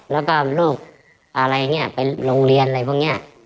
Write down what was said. แล้วก็ลูกอะไรเนี่ยไปโรงเรียนอะไรพวกเนี่ย